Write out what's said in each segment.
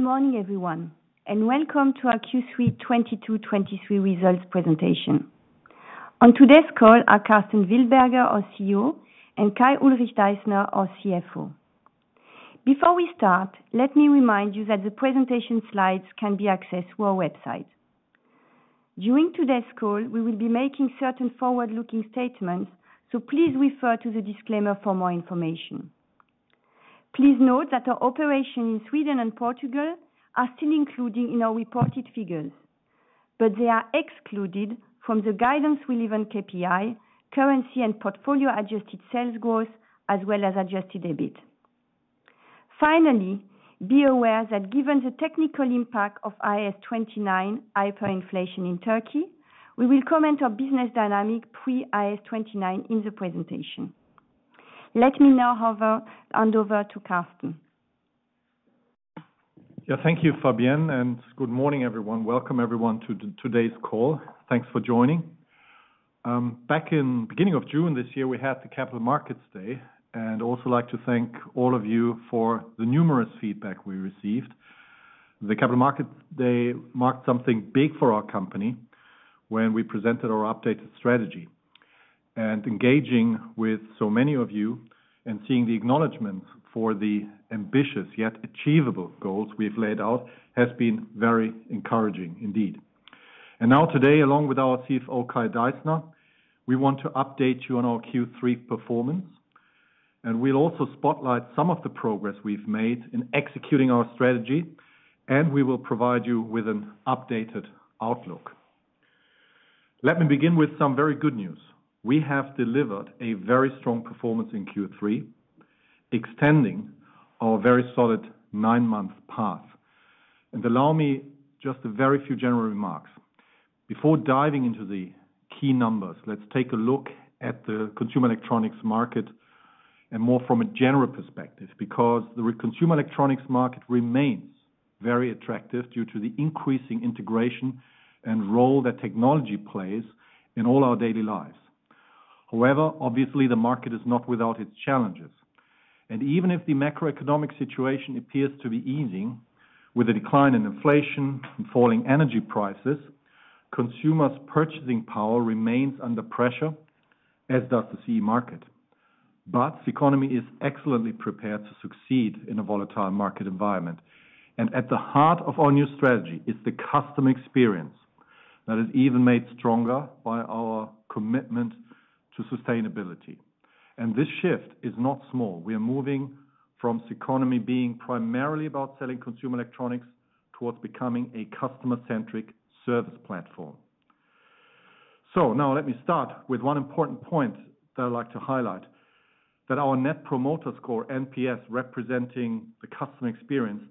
Good morning, everyone, welcome to our Q3 2022-2023 Results Presentation. On today's call are Karsten Wildberger, our CEO, and Kai-Ulrich Deissner, our CFO. Before we start, let me remind you that the presentation slides can be accessed through our website. During today's call, we will be making certain forward-looking statements, so please refer to the disclaimer for more information. Please note that our operation in Sweden and Portugal are still included in our reported figures, but they are excluded from the guidance relevant KPI, currency and portfolio adjusted sales growth, as well as adjusted EBIT. Finally, be aware that given the technical impact of IAS 29, hyperinflation in Turkey, we will comment on business dynamic pre-IAS 29 in the presentation. Let me now, however, hand over to Karsten. Yeah, thank you, Fabienne, and good morning, everyone. Welcome everyone to today's call. Thanks for joining. Back in beginning of June this year, we had the Capital Markets Day, and I'd also like to thank all of you for the numerous feedback we received. The Capital Markets Day marked something big for our company when we presented our updated strategy. Engaging with so many of you and seeing the acknowledgement for the ambitious, yet achievable goals we've laid out, has been very encouraging indeed. Now today, along with our CFO, Kai Deissner, we want to update you on our Q3 performance. We'll also spotlight some of the progress we've made in executing our strategy, and we will provide you with an updated outlook. Let me begin with some very good news. We have delivered a very strong performance in Q3, extending our very solid nine-month path. Allow me just a very few general remarks. Before diving into the key numbers, let's take a look at the consumer electronics market and more from a general perspective, because the consumer electronics market remains very attractive due to the increasing integration and role that technology plays in all our daily lives. Obviously, the market is not without its challenges, and even if the macroeconomic situation appears to be easing, with a decline in inflation and falling energy prices, consumers' purchasing power remains under pressure, as does the CE market. The Ceconomy is excellently prepared to succeed in a volatile market environment. At the heart of our new strategy is the customer experience that is even made stronger by our commitment to sustainability. This shift is not small. We are moving from Ceconomy being primarily about selling consumer electronics towards becoming a customer-centric service platform. Now let me start with one important point that I'd like to highlight, that our Net Promoter Score, NPS, representing the customer experience,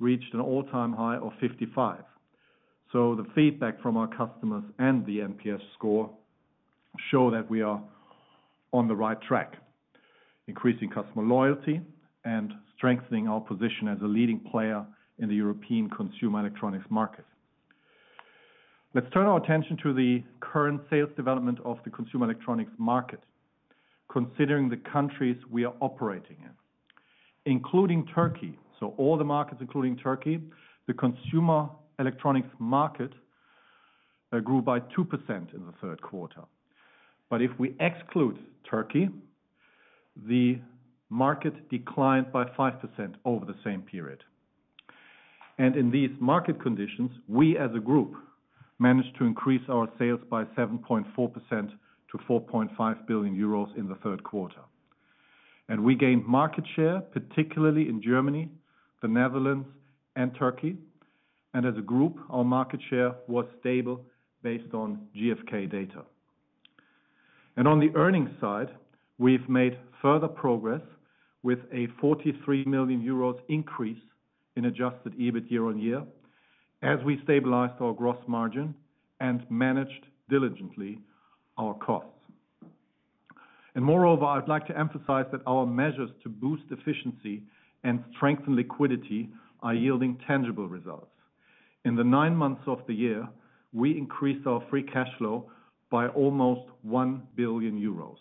reached an all-time high of 55. The feedback from our customers and the NPS score show that we are on the right track, increasing customer loyalty and strengthening our position as a leading player in the European consumer electronics market. Let's turn our attention to the current sales development of the consumer electronics market, considering the countries we are operating in. Including Turkey, all the markets, including Turkey, the consumer electronics market grew by 2% in the third quarter. If we exclude Turkey, the market declined by 5% over the same period. In these market conditions, we, as a group, managed to increase our sales by 7.4% to 4.5 billion euros in the third quarter. We gained market share, particularly in Germany, the Netherlands, and Turkey. As a group, our market share was stable based on GfK data. On the earnings side, we've made further progress with a 43 million euros increase in adjusted EBIT year-on-year, as we stabilized our gross margin and managed diligently our costs. Moreover, I'd like to emphasize that our measures to boost efficiency and strengthen liquidity are yielding tangible results. In the nine months of the year, we increased our free cash flow by almost 1 billion euros.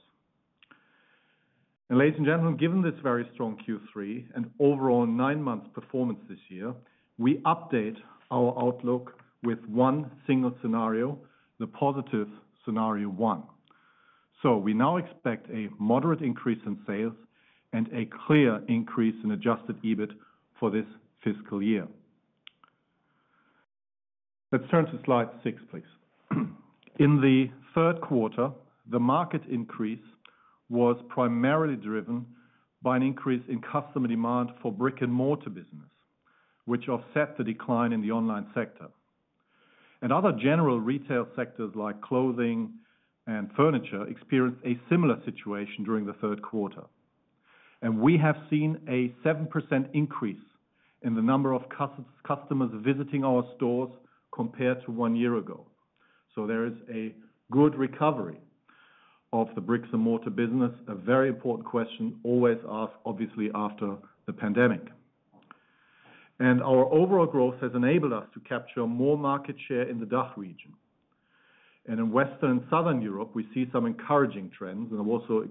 Ladies and gentlemen, given this very strong Q3 and overall nine-month performance this year, we update our outlook with one single scenario, the positive scenario one. We now expect a moderate increase in sales and a clear increase in adjusted EBIT for this fiscal year. Let's turn to slide 6, please. In the third quarter, the market increase was primarily driven by an increase in customer demand for brick-and-mortar business, which offset the decline in the online sector. Other general retail sectors like clothing and furniture, experienced a similar situation during the third quarter. We have seen a 7% increase in the number of customers visiting our stores compared to one year ago. There is a good recovery of the bricks and mortar business, a very important question always asked, obviously, after the pandemic. Our overall growth has enabled us to capture more market share in the DACH region. In Western and Southern Europe, we see some encouraging trends, I'll also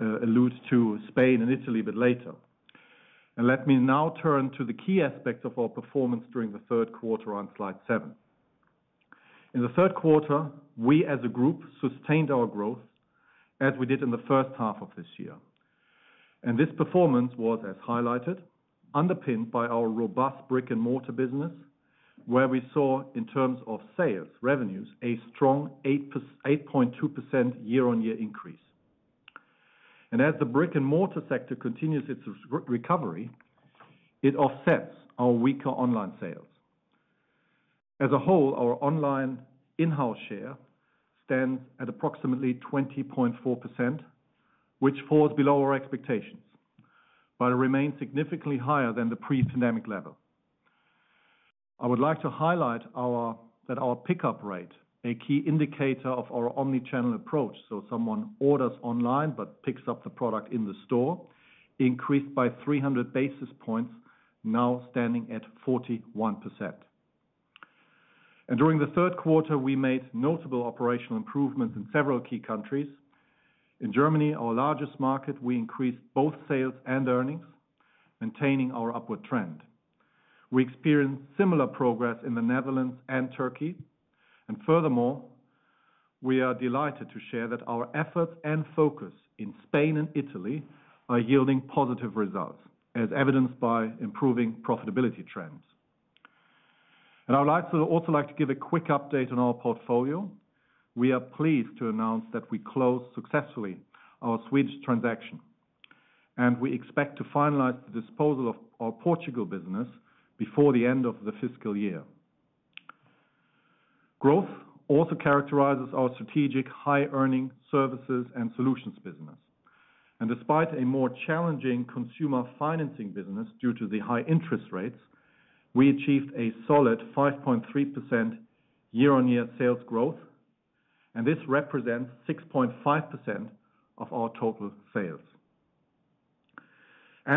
allude to Spain and Italy a bit later. Let me now turn to the key aspects of our performance during the third quarter on slide 7. In the third quarter, we, as a group, sustained our growth as we did in the first half of this year. This performance was, as highlighted, underpinned by our robust brick-and-mortar business, where we saw, in terms of sales, revenues, a strong 8.2% year-on-year increase. As the brick-and-mortar sector continues its recovery, it offsets our weaker online sales. As a whole, our online in-house share stands at approximately 20.4%, which falls below our expectations, but it remains significantly higher than the pre-pandemic level. I would like to highlight that our pickup rate, a key indicator of our omnichannel approach, so someone orders online but picks up the product in the store, increased by 300 basis points, now standing at 41%. During the third quarter, we made notable operational improvements in several key countries. In Germany, our largest market, we increased both sales and earnings, maintaining our upward trend. We experienced similar progress in the Netherlands and Turkey. Furthermore, we are delighted to share that our efforts and focus in Spain and Italy are yielding positive results, as evidenced by improving profitability trends. I would also like to give a quick update on our portfolio. We are pleased to announce that we closed successfully our Swedish transaction, and we expect to finalize the disposal of our Portugal business before the end of the fiscal year. Growth also characterizes our strategic, high-earning services and solutions business. Despite a more challenging consumer financing business due to the high interest rates, we achieved a solid 5.3% year-on-year sales growth, this represents 6.5% of our total sales.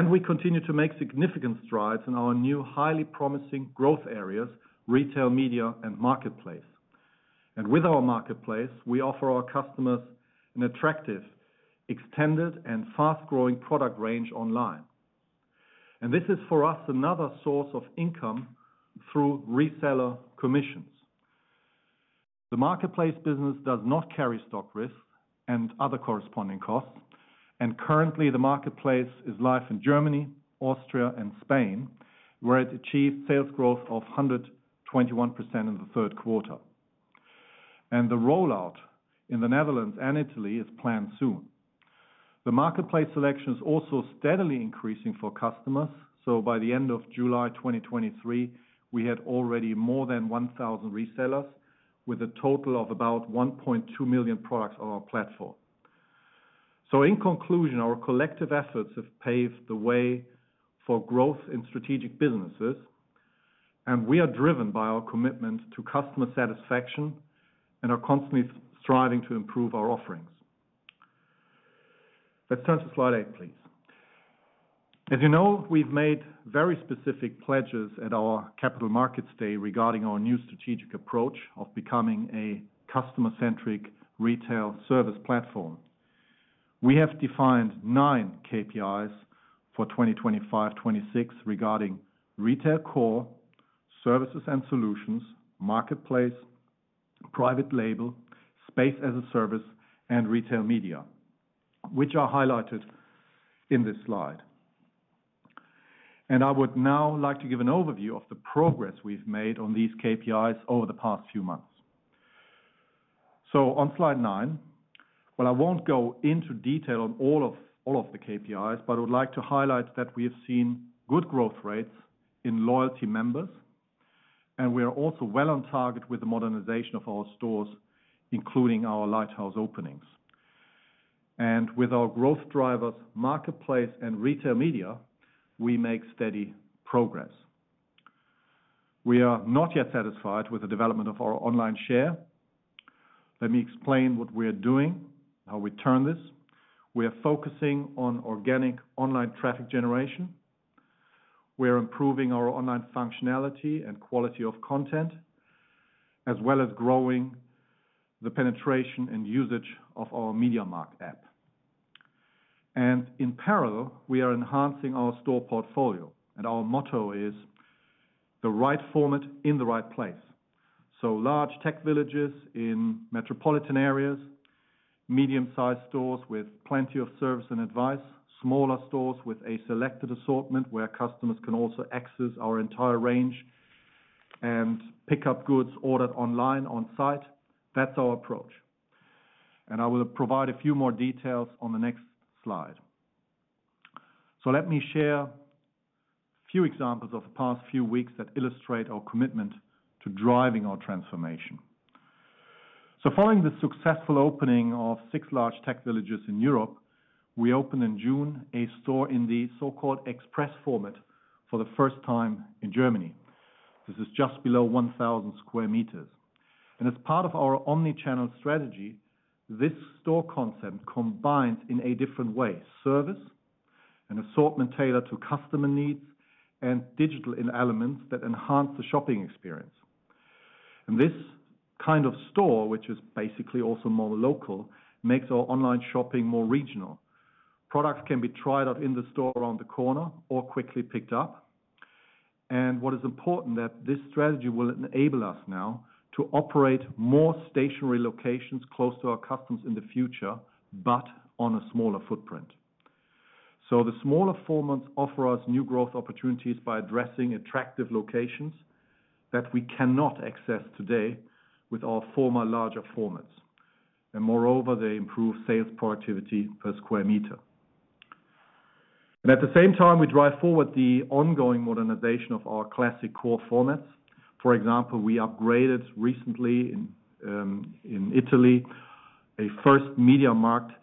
We continue to make significant strides in our new, highly promising growth areas: retail, media, and marketplace. With our marketplace, we offer our customers an attractive, extended, and fast-growing product range online. This is for us, another source of income through reseller commissions. The marketplace business does not carry stock risk and other corresponding costs, currently, the marketplace is live in Germany, Austria, and Spain, where it achieved sales growth of 121% in the third quarter. The rollout in the Netherlands and Italy is planned soon. The marketplace selection is also steadily increasing for customers. By the end of July 2023, we had already more than 1,000 resellers, with a total of about 1.2 million products on our platform. In conclusion, our collective efforts have paved the way for growth in strategic businesses, and we are driven by our commitment to customer satisfaction and are constantly striving to improve our offerings. Let's turn to slide 8, please. As you know, we've made very specific pledges at our Capital Markets Day regarding our new strategic approach of becoming a customer-centric retail service platform. We have defined nine KPIs for 2025, 2026, regarding retail core, services and solutions, marketplace, private label, space-as-a-service, and retail media, which are highlighted in this slide. I would now like to give an overview of the progress we've made on these KPIs over the past few months. On slide 9, I won't go into detail on all of the KPIs, but I would like to highlight that we have seen good growth rates in loyalty members, and we are also well on target with the modernization of our stores, including our lighthouse openings. With our growth drivers, marketplace and retail media, we make steady progress. We are not yet satisfied with the development of our online share. Let me explain what we are doing, how we turn this. We are focusing on organic online traffic generation. We are improving our online functionality and quality of content, as well as growing the penetration and usage of our MediaMarkt app. In parallel, we are enhancing our store portfolio and our motto is: the right format in the right place. Large Tech Villages in metropolitan areas, medium-sized stores with plenty of service and advice, smaller stores with a selected assortment, where customers can also access our entire range and pick up goods ordered online on-site. That's our approach. I will provide a few more details on the next slide. Let me share a few examples of the past few weeks that illustrate our commitment to driving our transformation. Following the successful opening of six large Tech Villages in Europe, we opened in June, a store in the so-called Express format for the first time in Germany. This is just below 1,000 square meters. As part of our omnichannel strategy, this store concept combines in a different way: service, an assortment tailored to customer needs and digital in elements that enhance the shopping experience. This kind of store, which is basically also more local, makes our online shopping more regional. Products can be tried out in the store around the corner or quickly picked up. What is important, that this strategy will enable us now to operate more stationary locations close to our customers in the future, but on a smaller footprint. The smaller formats offer us new growth opportunities by addressing attractive locations, that we cannot access today with our former larger formats. Moreover, they improve sales productivity per square meter. At the same time, we drive forward the ongoing modernization of our classic core formats. For example, we upgraded recently in Italy, a first MediaMarkt,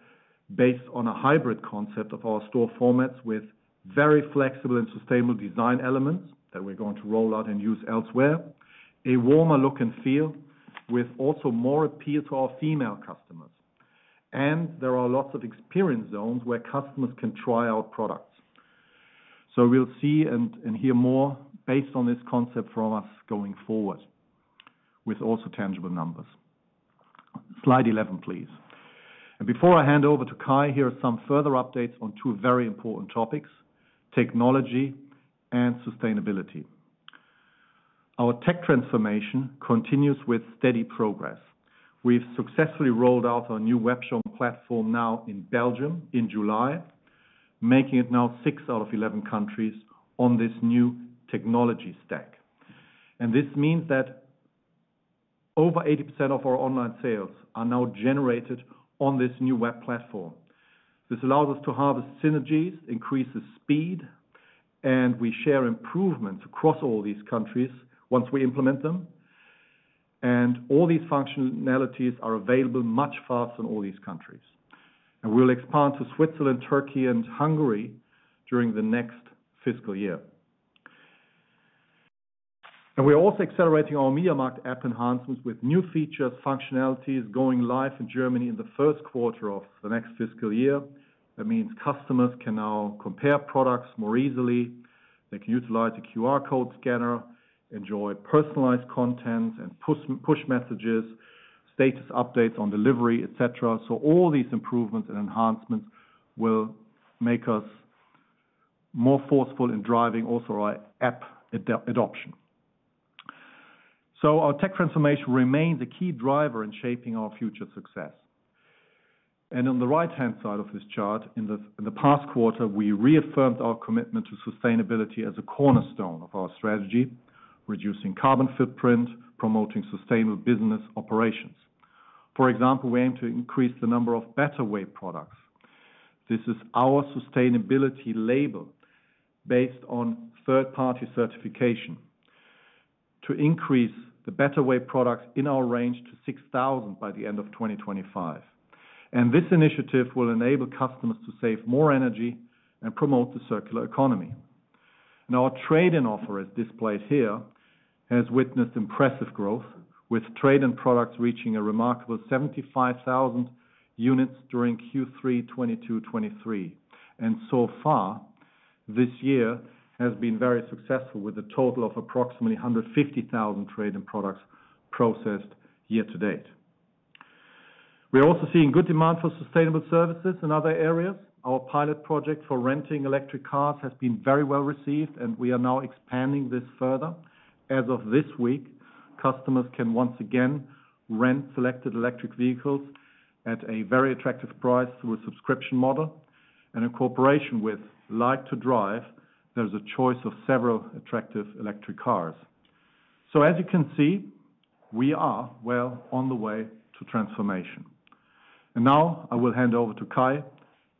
based on a hybrid concept of our store formats, with very flexible and sustainable design elements that we're going to roll out and use elsewhere. A warmer look and feel, with also more appeal to our female customers. There are lots of experience zones where customers can try out products. We'll see and hear more based on this concept from us going forward, with also tangible numbers. Slide 11, please. Before I hand over to Kai, here are some further updates on two very important topics: technology and sustainability. Our tech transformation continues with steady progress. We've successfully rolled out our new webshop platform now in Belgium, in July, making it now 6/11 countries on this new technology stack. This means that over 80% of our online sales are now generated on this new web platform. This allows us to harvest synergies, increases speed, and we share improvements across all these countries once we implement them. All these functionalities are available much faster in all these countries. We'll expand to Switzerland, Turkey, and Hungary during the next fiscal year. We're also accelerating our MediaMarkt app enhancements with new features, functionalities going live in Germany in the first quarter of the next fiscal year. That means customers can now compare products more easily. They can utilize a QR code scanner, enjoy personalized content and push messages, status updates on delivery, et cetera. All these improvements and enhancements will make us more forceful in driving also our app adoption. Our tech transformation remains a key driver in shaping our future success. On the right-hand side of this chart, in the past quarter, we reaffirmed our commitment to sustainability as a cornerstone of our strategy, reducing carbon footprint, promoting sustainable business operations. For example, we aim to increase the number of BetterWay products. This is our sustainability label, based on third-party certification, to increase the BetterWay products in our range to 6,000 by the end of 2025. This initiative will enable customers to save more energy and promote the circular economy. Now, our trade-in offer, as displayed here, has witnessed impressive growth, with trade-in products reaching a remarkable 75,000 units during Q3 2022, 2023. So far, this year has been very successful, with a total of approximately 150,000 trade-in products processed year to date. We are also seeing good demand for sustainable services in other areas. Our pilot project for renting electric cars has been very well received, and we are now expanding this further. As of this week, customers can once again rent selected electric vehicles at a very attractive price through a subscription model. In cooperation with Like to Drive, there's a choice of several attractive electric cars. As you can see, we are well on the way to transformation. Now I will hand over to Kai,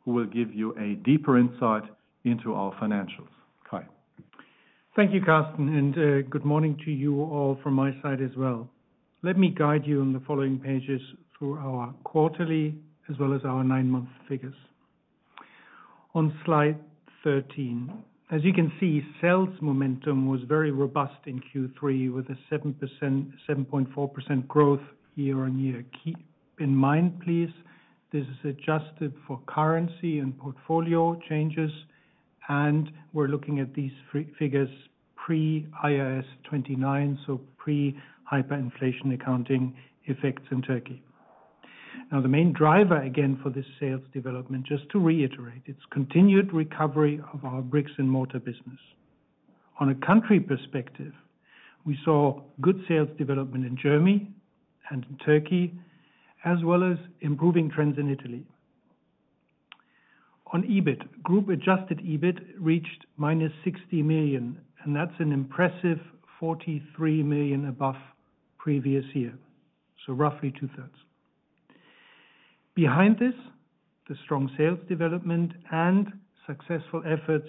who will give you a deeper insight into our financials. Kai? Thank you, Karsten, and good morning to you all from my side as well. Let me guide you on the following pages through our quarterly, as well as our nine-month figures. On slide 13, as you can see, sales momentum was very robust in Q3, with a 7.4% growth year-on-year. Keep in mind, please, this is adjusted for currency and portfolio changes, and we're looking at these figures pre-IAS 29, so pre-hyperinflation accounting effects in Turkey. Now, the main driver, again, for this sales development, just to reiterate, it's continued recovery of our bricks and mortar business. On a country perspective, we saw good sales development in Germany and in Turkey, as well as improving trends in Italy. On EBIT, group-adjusted EBIT reached minus 60 million, and that's an impressive 43 million above previous year, so roughly 2/3. Behind this, the strong sales development and successful efforts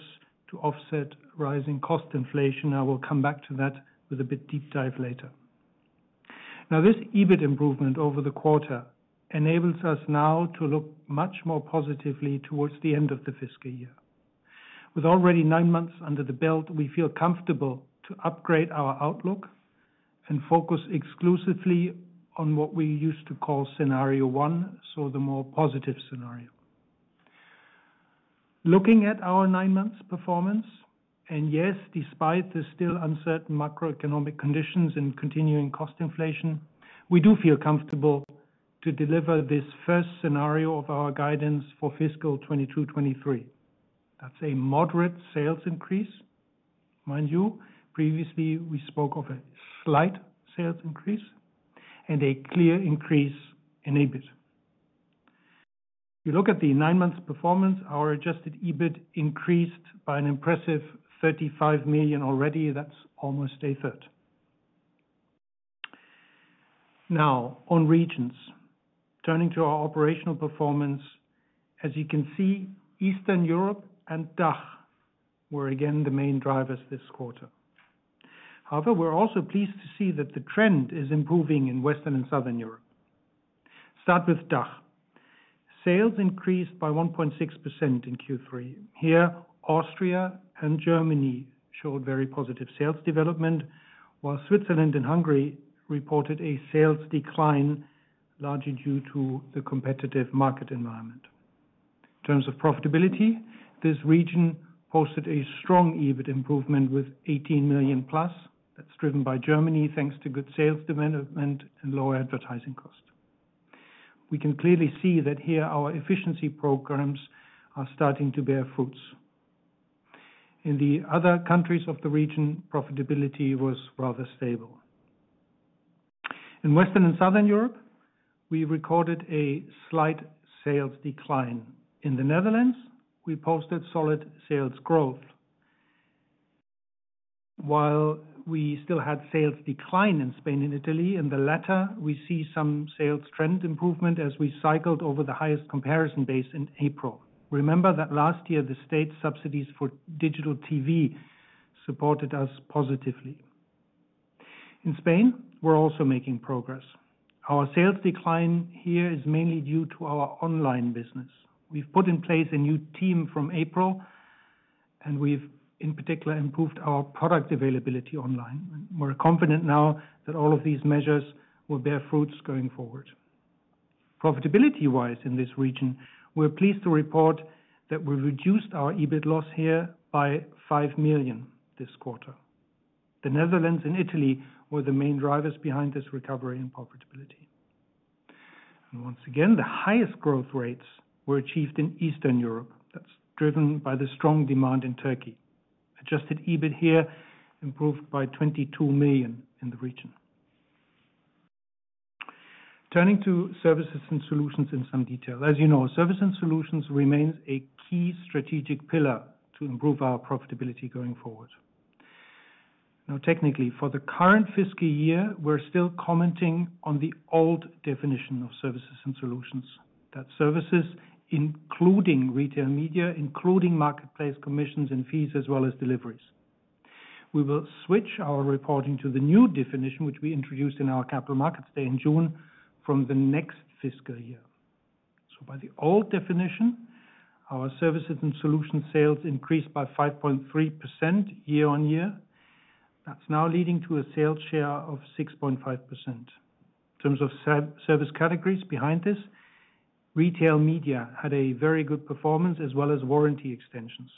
to offset rising cost inflation. I will come back to that with a bit deep dive later. This EBIT improvement over the quarter, enables us now to look much more positively towards the end of the fiscal year. With already nine months under the belt, we feel comfortable to upgrade our outlook, and focus exclusively on what we used to call scenario one, so the more positive scenario. Looking at our nine months performance, yes, despite the still uncertain macroeconomic conditions and continuing cost inflation, we do feel comfortable to deliver this first scenario of our guidance for fiscal 2022, 2023. That's a moderate sales increase. Mind you, previously, we spoke of a slight sales increase and a clear increase in EBIT. You look at the nine months performance, our adjusted EBIT increased by an impressive 35 million already. That's almost a third. Now, on regions, turning to our operational performance. As you can see, Eastern Europe and DACH were again, the main drivers this quarter. We're also pleased to see that the trend is improving in Western and Southern Europe. Start with DACH. Sales increased by 1.6% in Q3. Here, Austria and Germany showed very positive sales development, while Switzerland and Hungary reported a sales decline, largely due to the competitive market environment. In terms of profitability, this region posted a strong EBIT improvement with 18 million plus. That's driven by Germany, thanks to good sales development and lower advertising cost. We can clearly see that here our efficiency programs are starting to bear fruits. In the other countries of the region, profitability was rather stable. In Western and Southern Europe, we recorded a slight sales decline. In the Netherlands, we posted solid sales growth. While we still had sales decline in Spain and Italy, in the latter, we see some sales trend improvement as we cycled over the highest comparison base in April. Remember that last year, the state subsidies for digital TV supported us positively. In Spain, we're also making progress. Our sales decline here is mainly due to our online business. We've put in place a new team from April, we've, in particular, improved our product availability online. We're confident now that all of these measures will bear fruits going forward. Profitability-wise in this region, we're pleased to report that we reduced our EBIT loss here by 5 million this quarter. The Netherlands and Italy were the main drivers behind this recovery in profitability. Once again, the highest growth rates were achieved in Eastern Europe. That's driven by the strong demand in Turkey. Adjusted EBIT here improved by 22 million in the region. Turning to services and solutions in some detail. As you know, service and solutions remains a key strategic pillar to improve our profitability going forward. Now, technically, for the current fiscal year, we're still commenting on the old definition of services and solutions. That services, including retail media, including marketplace, commissions and fees, as well as deliveries. We will switch our reporting to the new definition, which we introduced in our Capital Markets Day in June, from the next fiscal year. By the old definition, our services and solution sales increased by 5.3% year-on-year. That's now leading to a sales share of 6.5%. In terms of service categories behind this, retail media had a very good performance, as well as warranty extensions.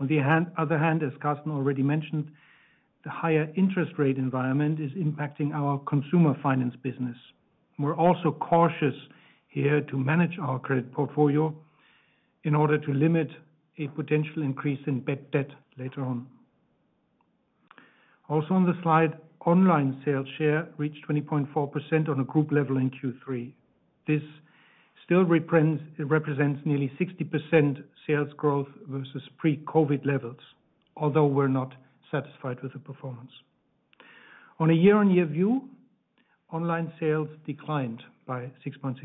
Other hand, as Karsten already mentioned, the higher interest rate environment is impacting our consumer finance business. We're also cautious here to manage our credit portfolio in order to limit a potential increase in bad debt later on. Also on the slide, online sales share reached 20.4% on a group level in Q3. This still represents nearly 60% sales growth versus pre-COVID levels, although we're not satisfied with the performance. On a year-on-year view, online sales declined by 6.6%.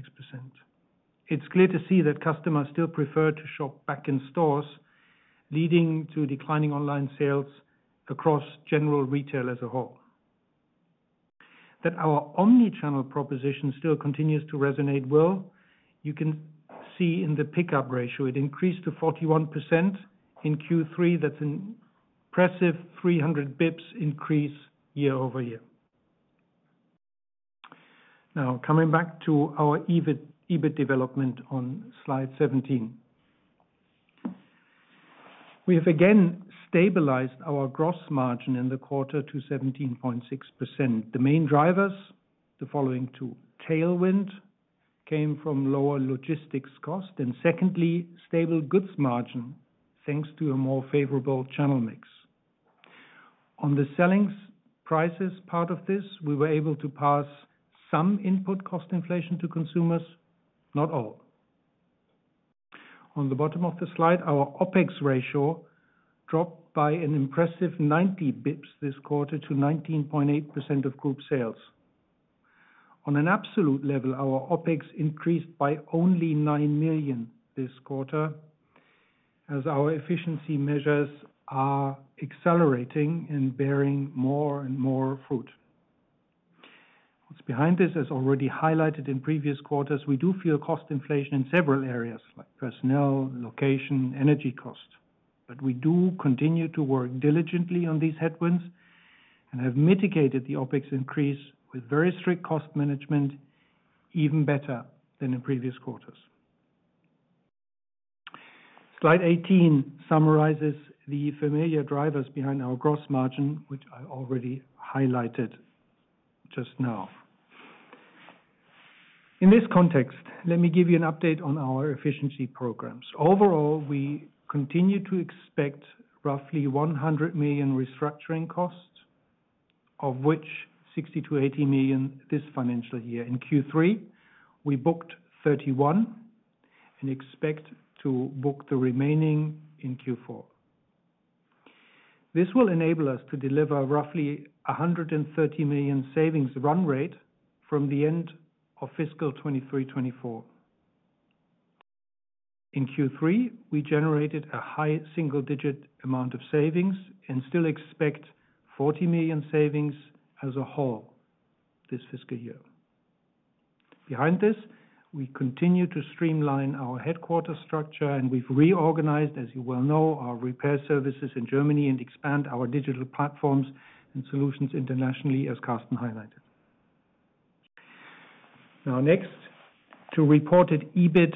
It's clear to see that customers still prefer to shop back in stores, leading to declining online sales across general retail as a whole. That our omnichannel proposition still continues to resonate well, you can see in the pickup ratio, it increased to 41% in Q3. That's an impressive 300 basis points increase year-over-year. Now, coming back to our EBIT, EBIT development on slide 17. We have again stabilized our gross margin in the quarter to 17.6%. The main drivers, the following two: tailwind came from lower logistics cost, and secondly, stable goods margin, thanks to a more favorable channel mix. On the sellings prices part of this, we were able to pass some input cost inflation to consumers, not all. On the bottom of the slide, our OpEx ratio dropped by an impressive 90 basis points this quarter to 19.8% of group sales. On an absolute level, our OpEx increased by only 9 million this quarter, as our efficiency measures are accelerating and bearing more and more fruit. What's behind this, as already highlighted in previous quarters, we do feel cost inflation in several areas, like personnel, location, energy cost. We do continue to work diligently on these headwinds, and have mitigated the OpEx increase with very strict cost management, even better than in previous quarters. Slide 18 summarizes the familiar drivers behind our gross margin, which I already highlighted just now. In this context, let me give you an update on our efficiency programs. Overall, we continue to expect roughly 100 million restructuring costs, of which 60 million-80 million this financial year. In Q3, we booked 31 million, and expect to book the remaining in Q4. This will enable us to deliver roughly a 130 million savings run rate from the end of fiscal 2023, 2024. In Q3, we generated a high single-digit amount of savings and still expect 40 million savings as a whole this fiscal year. Behind this, we continue to streamline our headquarter structure, and we've reorganized, as you well know, our repair services in Germany and expand our digital platforms and solutions internationally, as Karsten highlighted. Now next, to reported EBIT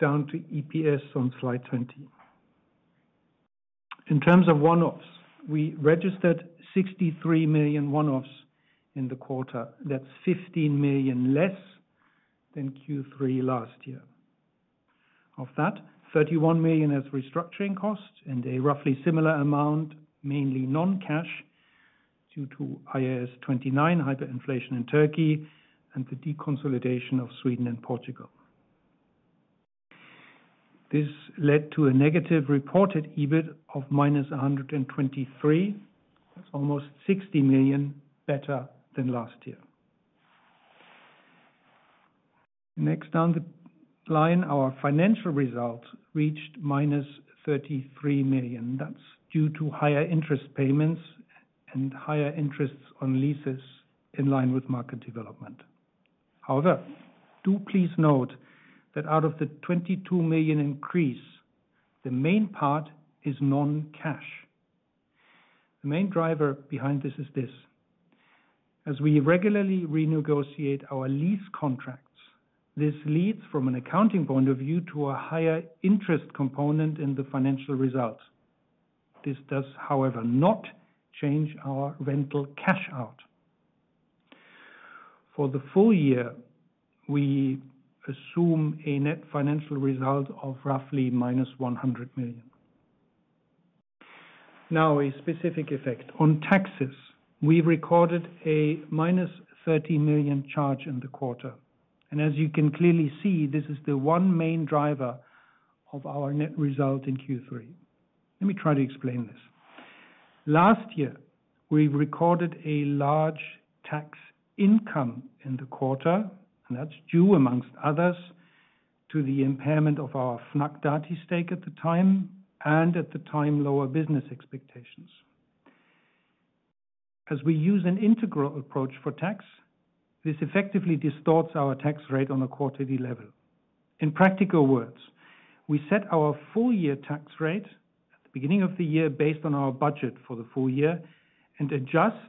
down to EPS on slide 20. In terms of one-offs, we registered 63 million one-offs in the quarter. That's 15 million less than Q3 last year. Of that, 31 million is restructuring costs and a roughly similar amount, mainly non-cash, due to IAS 29 hyperinflation in Turkey and the deconsolidation of Sweden and Portugal. This led to a negative reported EBIT of minus 123. That's almost 60 million better than last year. Next down the line, our financial results reached minus 33 million. That's due to higher interest payments and higher interests on leases in line with market development. Do please note that out of the 22 million increase, the main part is non-cash. The main driver behind this is this: as we regularly renegotiate our lease contracts, this leads, from an accounting point of view, to a higher interest component in the financial results. This does, however, not change our rental cash out. For the full year, we assume a net financial result of roughly minus 100 million. A specific effect. On taxes, we recorded a minus 30 million charge in the quarter, as you can clearly see, this is the one main driver of our net result in Q3. Let me try to explain this. Last year, we recorded a large tax income in the quarter, that's due, amongst others, to the impairment of our Fnac Darty stake at the time, and at the time, lower business expectations. As we use an integral approach for tax, this effectively distorts our tax rate on a quarterly level. In practical words, we set our full year tax rate at the beginning of the year based on our budget for the full year, and adjust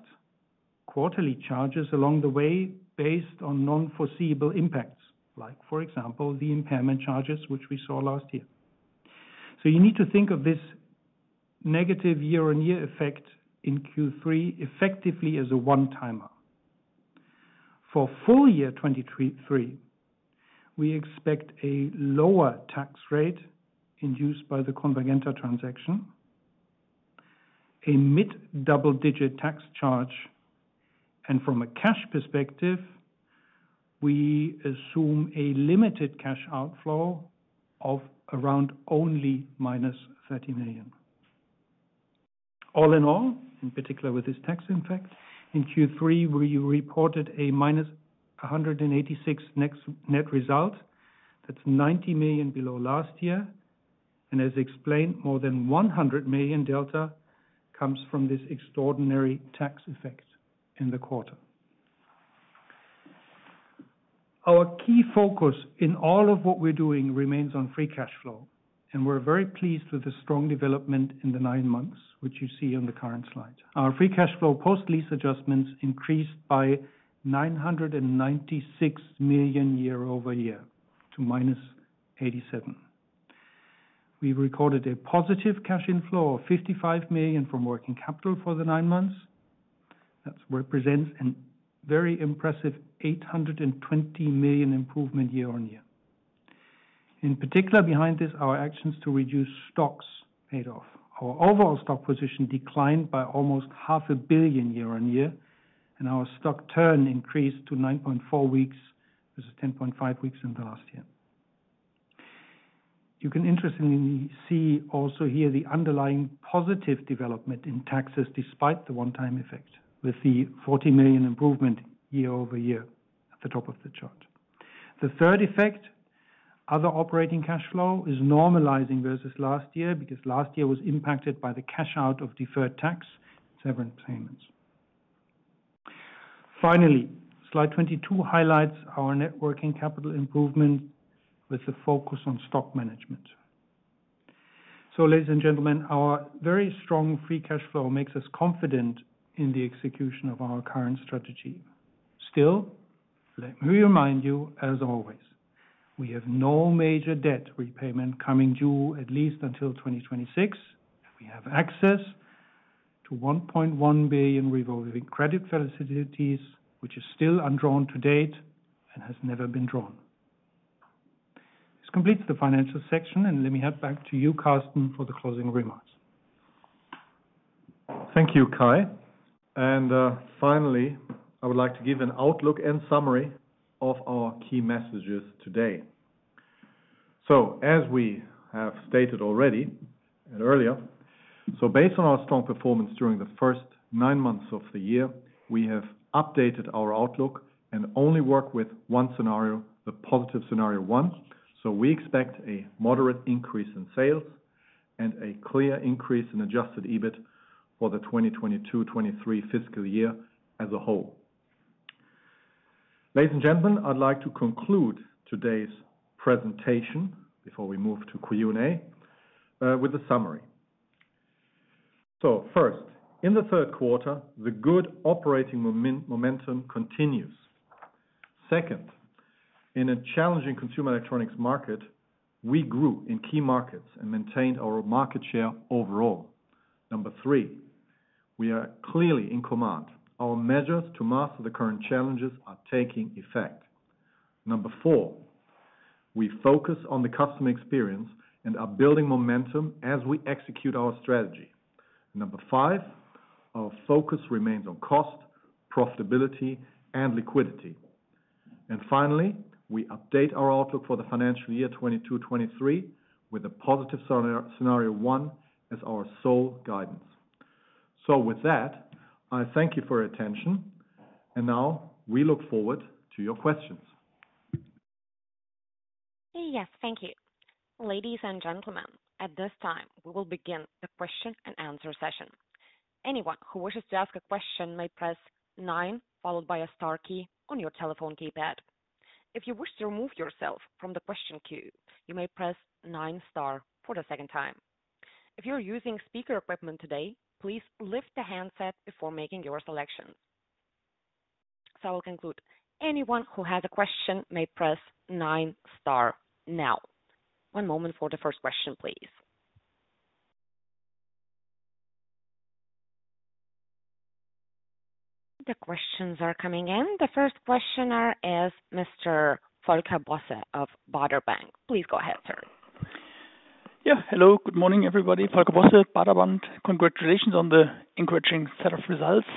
quarterly charges along the way, based on non-foreseeable impacts, like, for example, the impairment charges, which we saw last year. You need to think of this negative year-on-year effect in Q3 effectively as a one-timer. For full year 2023, we expect a lower tax rate induced by the Convergenta transaction, a mid-double-digit tax charge, and from a cash perspective, we assume a limited cash outflow of around only minus 30 million. In particular with this tax impact, in Q3, we reported a minus 186 net result. That's 90 million below last year, and as explained, more than 100 million delta comes from this extraordinary tax effect in the quarter. Our key focus in all of what we're doing remains on free cash flow, and we're very pleased with the strong development in the nine months, which you see on the current slide. Our free cash flow post-lease adjustments increased by 996 million year-over-year, to minus 87. We recorded a positive cash inflow of 55 million from working capital for the nine months. That represents a very impressive 820 million improvement year-on-year. In particular behind this, our actions to reduce stocks paid off. Our overall stock position declined by almost 500 million year-on-year, and our stock turn increased to 9.4 weeks. This is 10.5 weeks in the last year. You can interestingly see also here, the underlying positive development in taxes, despite the one-time effect, with the 40 million improvement year-over-year at the top of the chart. Other operating cash flow is normalizing versus last year, because last year was impacted by the cash out of deferred tax, severance payments. Slide 22 highlights our net working capital improvement with a focus on stock management. Ladies and gentlemen, our very strong free cash flow makes us confident in the execution of our current strategy. Let me remind you, as always, we have no major debt repayment coming due at least until 2026. We have access to 1.1 billion revolving credit facilities, which is still undrawn to date and has never been drawn. This completes the financial section, let me hand back to you, Karsten, for the closing remarks. Thank you, Kai. Finally, I would like to give an outlook and summary of our key messages today. As we have stated already and earlier, based on our strong performance during the first nine months of the year, we have updated our outlook and only work with one scenario, the positive scenario one. We expect a moderate increase in sales and a clear increase in adjusted EBIT for the 2022, 2023 fiscal year as a whole. Ladies and gentlemen, I'd like to conclude today's presentation before we move to Q&A with a summary. First, in the third quarter, the good operating momentum continues. Second, in a challenging consumer electronics market, we grew in key markets and maintained our market share overall. Number three, we are clearly in command. Our measures to master the current challenges are taking effect. Number four, we focus on the customer experience and are building momentum as we execute our strategy. Number five, our focus remains on cost, profitability, and liquidity. Finally, we update our outlook for the financial year 2022, 2023, with a positive scenario one as our sole guidance. With that, I thank you for your attention, and now we look forward to your questions. Yes, thank you. Ladies and gentlemen, at this time, we will begin the question and answer session. Anyone who wishes to ask a question may press nine, followed by a star key on your telephone keypad. If you wish to remove yourself from the question queue, you may press nine star for the second time. If you're using speaker equipment today, please lift the handset before making your selections. I will conclude. Anyone who has a question may press nine star now. One moment for the first question, please. The questions are coming in. The first questioner is Mr. Volker Bosse of Baader Bank. Please go ahead, sir. Yeah. Hello. Good morning, everybody. Volker Bosse, Baader Bank. Congratulations on the encouraging set of results.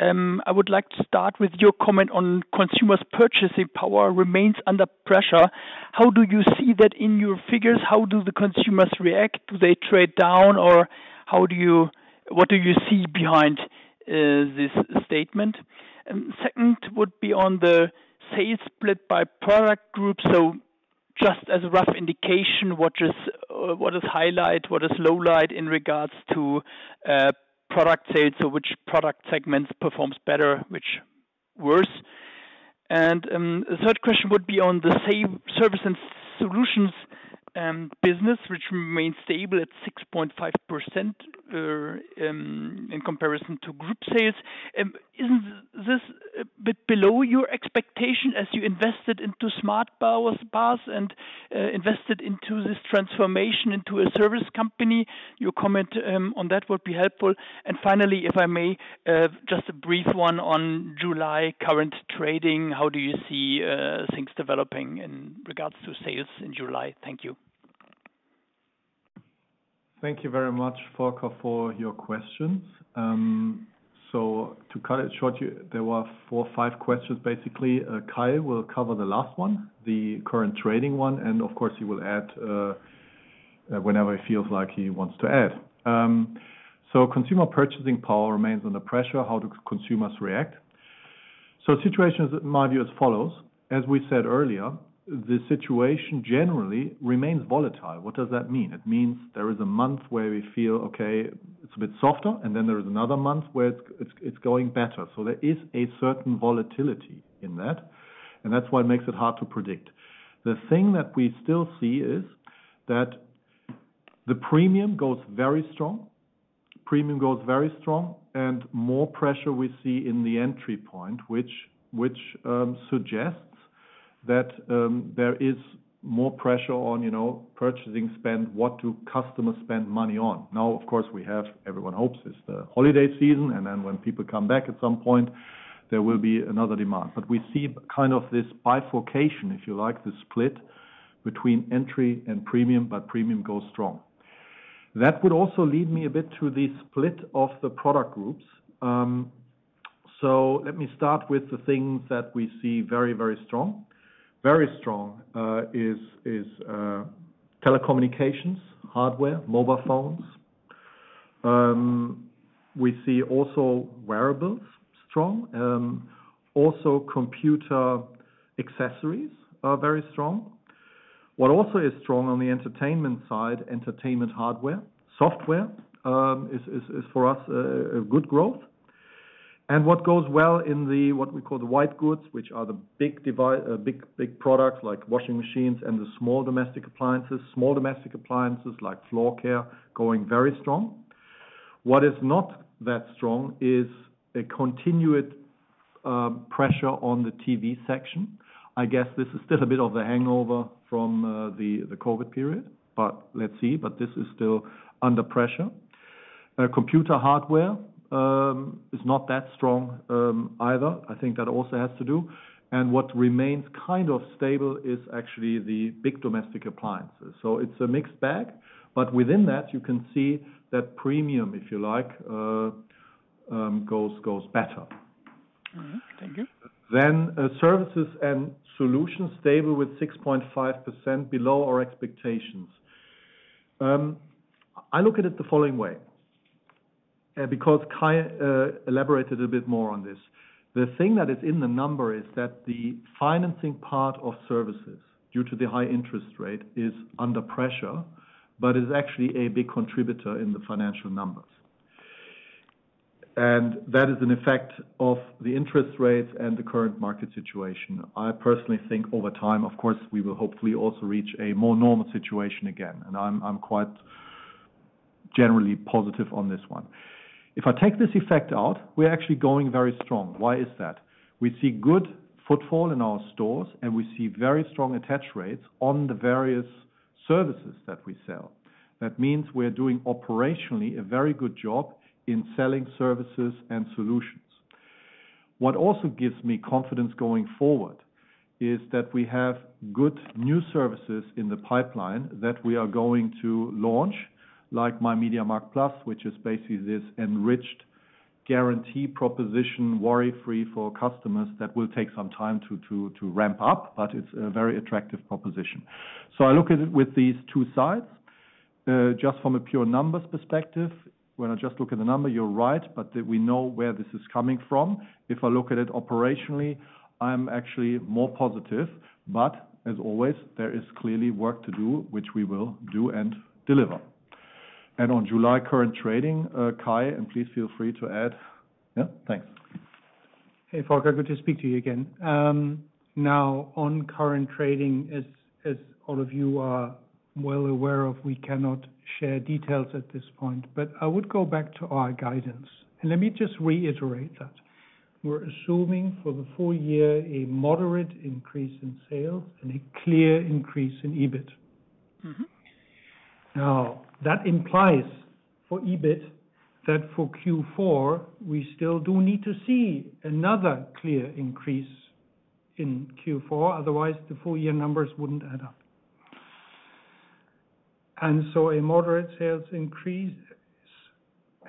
I would like to start with your comment on consumers' purchasing power remains under pressure. How do you see that in your figures? How do the consumers react? Do they trade down, or what do you see behind this statement? Second, would be on the sales split by product group. Just as a rough indication, what is what is highlight, what is lowlight in regards to product sales, so which product segments performs better, which worse? The third question would be on the same service and solutions business, which remains stable at 6.5% in comparison to group sales. Isn't this a bit below your expectation as you invested into Smart Power, SPaaS and invested into this transformation into a service company? Your comment on that would be helpful. Finally, if I may, just a brief one on July current trading, how do you see things developing in regards to sales in July? Thank you. Thank you very much, Volker, for your questions. To cut it short, there were four or five questions, basically. Kai will cover the last one, the current trading one, and of course, he will add, whenever he feels like he wants to add. Consumer purchasing power remains under pressure. How do consumers react? Situation is, in my view, as follows: as we said earlier, the situation generally remains volatile. What does that mean? It means there is a month where we feel, okay, it's a bit softer, and then there is another month where it's, it's, it's going better. There is a certain volatility in that, and that's what makes it hard to predict. The thing that we still see is that the premium goes very strong. Premium goes very strong and more pressure we see in the entry point, which, which, suggests that there is more pressure on, you know, purchasing spend, what do customers spend money on. Now, of course, we have, everyone hopes it's the holiday season, and then when people come back, at some point, there will be another demand. But we see kind of this bifurcation, if you like, this split between entry and premium, but premium goes strong. That would also lead me a bit to the split of the product groups. Let me start with the things that we see very, very strong. Very strong, is, telecommunications, hardware, mobile phones-- We see also wearables, strong. Also computer accessories are very strong. What also is strong on the entertainment side, entertainment hardware. Software is for us a good growth. What goes well in the, what we call the white goods, which are the big, big products, like washing machines and the small domestic appliances. Small domestic appliances, like floor care, going very strong. What is not that strong is a continued pressure on the TV section. I guess, this is still a bit of a hangover from the COVID period, but let's see. This is still under pressure. Computer hardware is not that strong either. I think that also has to do. What remains kind of stable is actually the big domestic appliances. It's a mixed bag, but within that, you can see that premium, if you like, goes better. Thank you. Services and solutions stable with 6.5% below our expectations. I look at it the following way, because Kai elaborated a bit more on this. The thing that is in the number is that the financing part of services, due to the high interest rate, is under pressure, but is actually a big contributor in the financial numbers. That is an effect of the interest rates and the current market situation. I personally think over time, of course, we will hopefully also reach a more normal situation again, and I'm quite generally positive on this one. If I take this effect out, we're actually going very strong. Why is that? We see good footfall in our stores, and we see very strong attach rates on the various services that we sell. That means we're doing operationally, a very good job in selling services and solutions. What also gives me confidence going forward, is that we have good new services in the pipeline that we are going to launch, like myMediaMarkt+, which is basically this enriched guarantee proposition, worry-free for customers, that will take some time to ramp up. It's a very attractive proposition. I look at it with these two sides. Just from a pure numbers perspective, when I just look at the number, you're right. That we know where this is coming from. If I look at it operationally, I'm actually more positive. As always, there is clearly work to do, which we will do and deliver. On July current trading, Kai, please feel free to add. Yeah, thanks. Hey, Volker. Good to speak to you again. Now, as all of you are well aware of, we cannot share details at this point. I would go back to our guidance, and let me just reiterate that. We're assuming for the full year, a moderate increase in sales and a clear increase in EBIT. That implies for EBIT, that for Q4, we still do need to see another clear increase in Q4, otherwise the full year numbers wouldn't add up. A moderate sales increase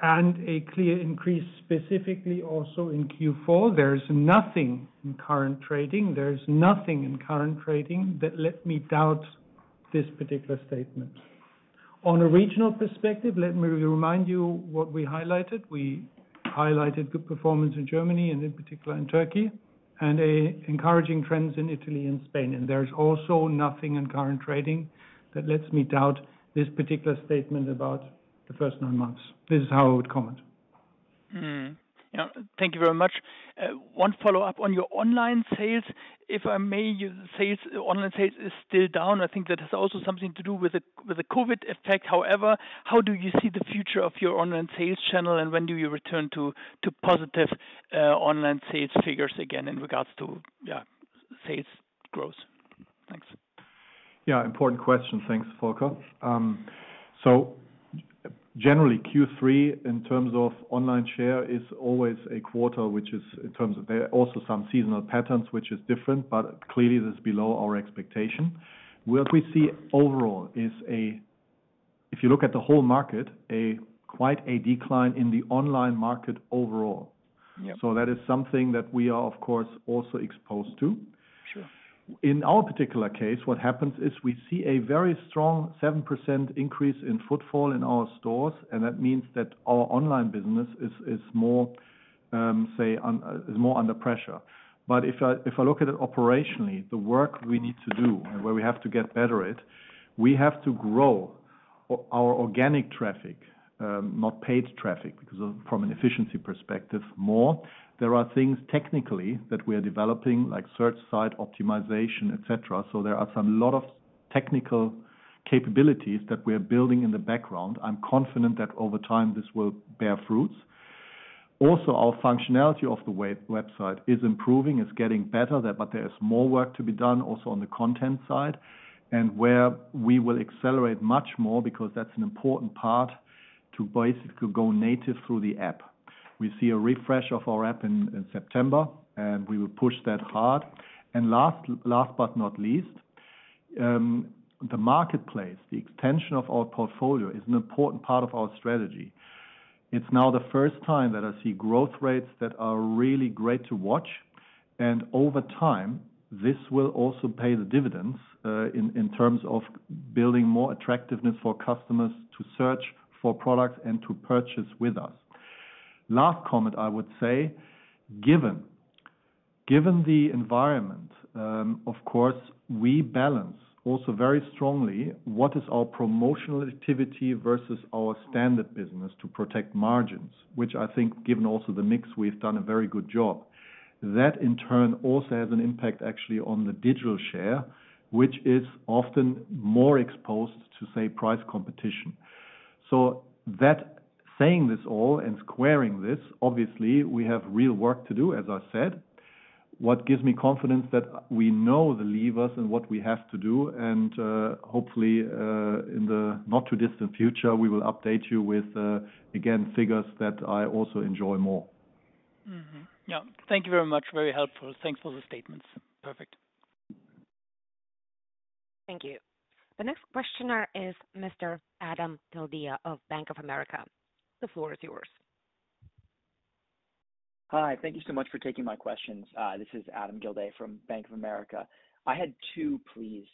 and a clear increase, specifically also in Q4, there is nothing in current trading, there is nothing in current trading that let me doubt this particular statement. On a regional perspective, let me remind you what we highlighted. We highlighted good performance in Germany and in particular, in Turkey, and a encouraging trends in Italy and Spain. There is also nothing in current trading that lets me doubt this particular statement about the first nine months. This is how I would comment. Yeah, thank you very much. One follow-up on your online sales, if I may. Your sales, online sales is still down. I think that is also something to do with the, with the COVID effect. However, how do you see the future of your online sales channel, and when do you return to positive online sales figures again in regards to sales growth? Thanks. Yeah, important question. Thanks, Volker. generally, Q3, in terms of online share, is always a quarter. There are also some seasonal patterns which is different, but clearly, this is below our expectation. What we see overall is a, if you look at the whole market, a quite a decline in the online market overall. That is something that we are, of course, also exposed to. Sure. In our particular case, what happens is we see a very strong 7% increase in footfall in our stores. That means that our online business is more, is more under pressure. If I look at it operationally, the work we need to do and where we have to get better at, we have to grow our organic traffic, not paid traffic, because from an efficiency perspective, more. There are things technically that we are developing, like Search Engine Optimization, et cetera. There are some lot of technical capabilities that we are building in the background. I'm confident that over time, this will bear fruits. Our functionality of the website is improving, it's getting better, but there is more work to be done also on the content side. Where we will accelerate much more, because that's an important part, to basically go native through the app. We see a refresh of our app in, in September, and we will push that hard. Last, last but not least, the marketplace, the extension of our portfolio, is an important part of our strategy. It's now the first time that I see growth rates that are really great to watch-- Over time, this will also pay the dividends, in, in terms of building more attractiveness for customers to search for products and to purchase with us. Last comment, I would say, given, given the environment, of course, we balance also very strongly what is our promotional activity versus our standard business to protect margins, which I think, given also the mix, we've done a very good job. That, in turn, also has an impact, actually, on the digital share, which is often more exposed to, say, price competition. Saying this all and squaring this, obviously, we have real work to do, as I said. What gives me confidence that we know the levers and what we have to do, and, hopefully, in the not-too-distant future, we will update you with, again, figures that I also enjoy more. Yeah. Thank you very much. Very helpful. Thanks for the statements. Perfect. Thank you. The next questioner is Mr. Adam Gilday of Bank of America. The floor is yours. Hi, thank you so much for taking my questions. This is Adam Gilday from Bank of America. I had two, please.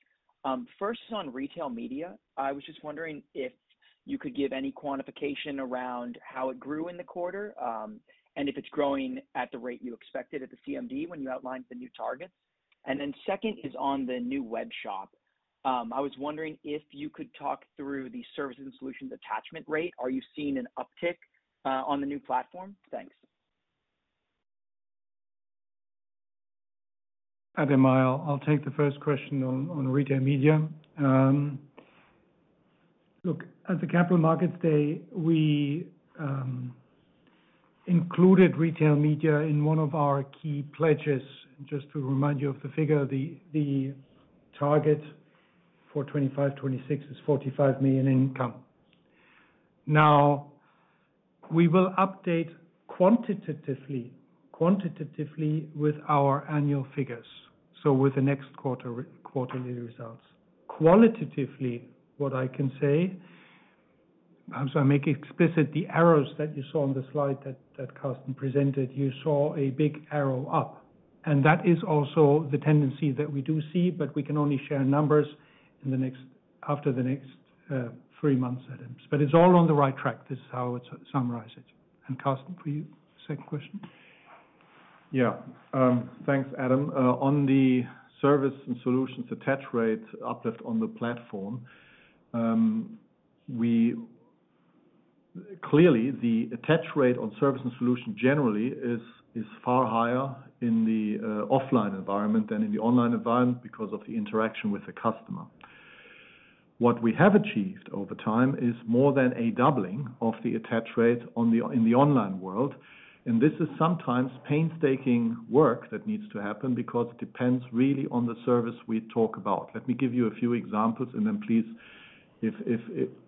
First, on retail media, I was just wondering if you could give any quantification around how it grew in the quarter, and if it's growing at the rate you expected at the CMD when you outlined the new targets? Then second is on the new web shop. I was wondering if you could talk through the services and solutions attachment rate. Are you seeing an uptick on the new platform? Thanks. Adam, I'll take the first question on, on retail media. Look, at the Capital Markets Day, we included retail media in one of our key pledges. Just to remind you of the figure, the target for 2025, 2026 is 45 million in income. Now, we will update quantitatively, quantitatively with our annual figures, so with the next quarter, quarterly results. Qualitatively, what I can say, as I make explicit, the arrows that you saw on the slide that Karsten presented, you saw a big arrow up, and that is also the tendency that we do see, but we can only share numbers in the next, after the next three months at it. It's all on the right track. This is how I would summarize it. Karsten, for you, second question? Yeah. Thanks, Adam. On the service and solutions attach rate uplift on the platform, Clearly, the attach rate on service and solution generally is far higher in the offline environment than in the online environment, because of the interaction with the customer. What we have achieved over time is more than a doubling of the attach rate in the online world, and this is sometimes painstaking work that needs to happen because it depends really on the service we talk about. Let me give you a few examples, and then please, if,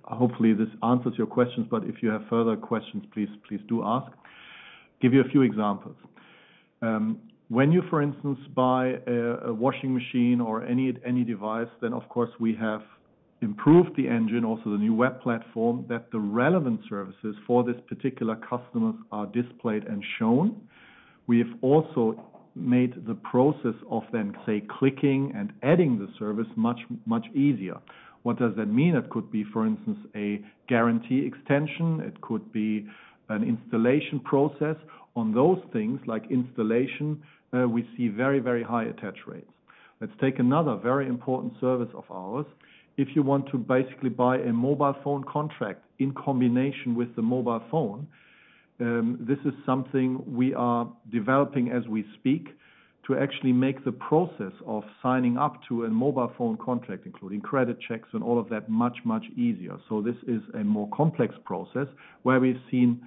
hopefully, this answers your questions, but if you have further questions, please do ask. Give you a few examples. When you, for instance, buy a washing machine or any device, then of course, we have improved the engine, also the new web platform, that the relevant services for this particular customers are displayed and shown. We have also made the process of then, say, clicking and adding the service much, much easier. What does that mean? It could be, for instance, a guarantee extension, it could be an installation process. On those things, like installation, we see very, very high attach rates. Let's take another very important service of ours. If you want to basically buy a mobile phone contract in combination with the mobile phone, this is something we are developing as we speak to actually make the process of signing up to a mobile phone contract, including credit checks and all of that, much, much easier. This is a more complex process where we've seen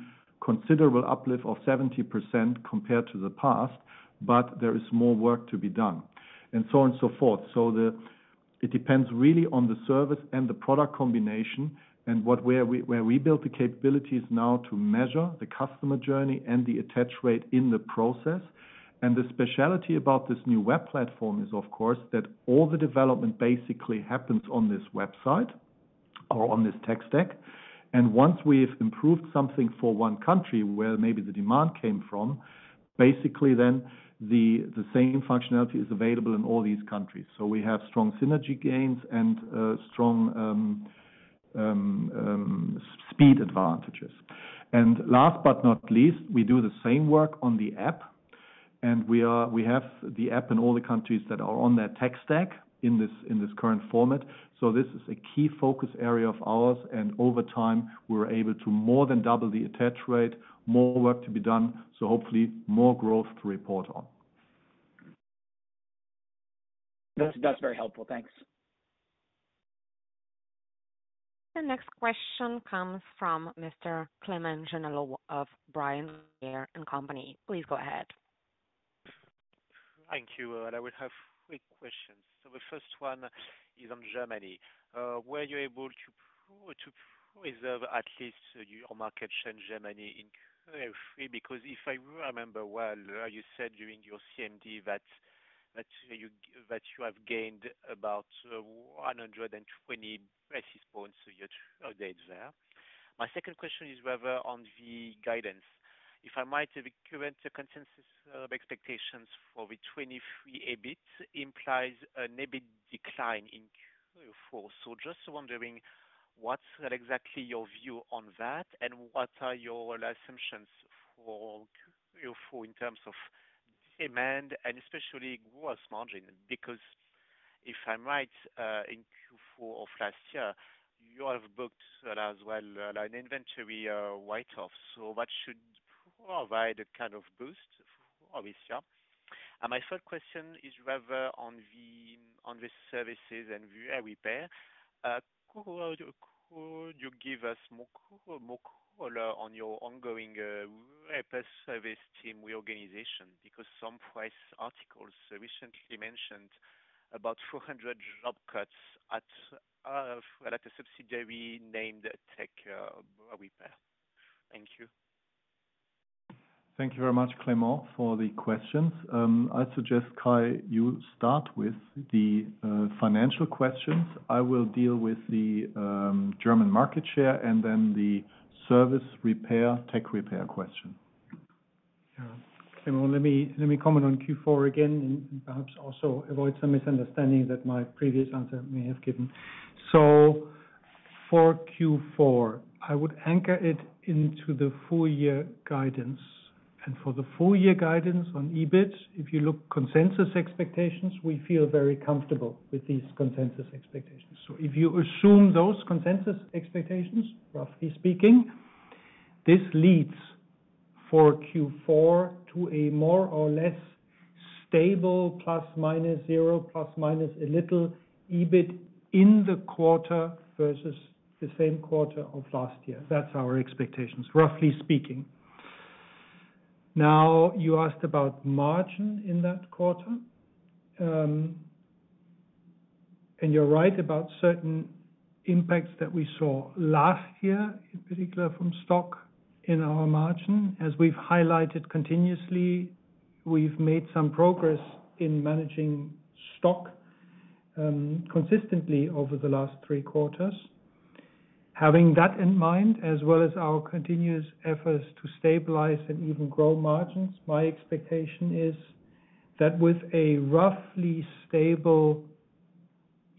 considerable uplift of 70% compared to the past, but there is more work to be done, and so on and so forth. It depends really on the service and the product combination and what, where we, where we build the capabilities now to measure the customer journey and the attach rate in the process. The specialty about this new web platform is, of course, that all the development basically happens on this website or on this tech stack. Once we've improved something for one country where maybe the demand came from, basically then, the same functionality is available in all these countries. We have strong synergy gains and strong speed advantages. Last but not least, we do the same work on the app, and we have the app in all the countries that are on that tech stack in this, in this current format. This is a key focus area of ours, and over time, we're able to more than double the attach rate. More work to be done. Hopefully more growth to report on. That's, that's very helpful. Thanks. The next question comes from Mr. Clément Genelot of Bryan, Garnier & Co. Please go ahead. Thank you. I will have quick questions. The first one is on Germany. Were you able to preserve at least your market share in Germany in Q3? If I remember well, you said during your CMD that you that you have gained about 120 basis points to your update there. My second question is whether on the guidance, if I might, the current consensus of expectations for the 2023 EBIT implies an EBIT decline in Q4. Just wondering, what's exactly your view on that, and what are your assumptions for Q4 in terms of demand, and especially gross margin? Because if I'm right, in Q4 of last year, you have booked as well, an inventory write-off. What should provide a kind of boost obviously? My third question is whether on the, on the services and repair, could, could you give us more, more color on your ongoing repair service team reorganization? Because some press articles recently mentioned about 400 job cuts at a subsidiary named Tec-Repair. Thank you. Thank you very much, Clément, for the questions. I'd suggest, Kai, you start with the financial questions. I will deal with the German market share and then the service repair, tech repair question. Clément, let me, let me comment on Q4 again, and perhaps also avoid some misunderstanding that my previous answer may have given. For Q4, I would anchor it into the full year guidance. For the full year guidance on EBIT, if you look consensus expectations, we feel very comfortable with these consensus expectations. If you assume those consensus expectations, roughly speaking, this leads for Q4 to a more or less stable, ±0, ± a little, EBIT in the quarter versus the same quarter of last year. That's our expectations, roughly speaking. Now, you asked about margin in that quarter. You're right about certain impacts that we saw last year, in particular from stock in our margin. As we've highlighted continuously, we've made some progress in managing stock, consistently over the last three quarters. Having that in mind, as well as our continuous efforts to stabilize and even grow margins, my expectation is that with a roughly stable